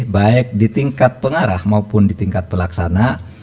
baik di tingkat pengarah maupun di tingkat pelaksana